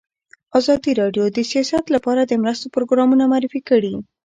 ازادي راډیو د سیاست لپاره د مرستو پروګرامونه معرفي کړي.